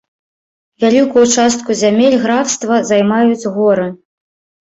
Вялікую частку зямель графства займаюць горы.